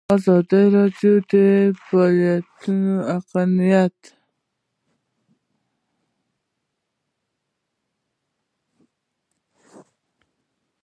ازادي راډیو د اقلیتونه په اړه د عبرت کیسې خبر کړي.